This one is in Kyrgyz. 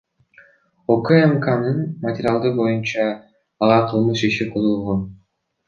УКМКнын материалдары боюнча ага кылмыш иши козголгон.